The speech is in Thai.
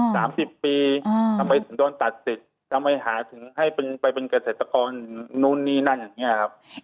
ทำไมถึงโดนตัดสิทธิ์ทำไมหาถึงให้ไปเป็นเกษตรกรนู้นนี่นั่นอย่างนี้ครับ